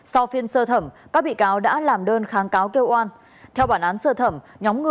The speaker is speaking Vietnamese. sau phiên sơ thẩm các bị cáo đã làm đơn kháng cáo kêu oan